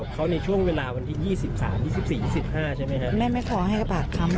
บางอย่างนะครับ